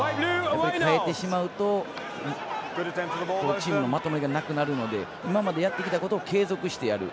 変えてしまうとチームのまとまりがなくなるので今までやってきたことを継続してやる。